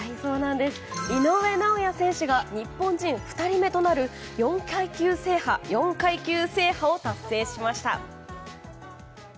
井上尚弥選手が日本人２人目となる４階級制覇を達成しました。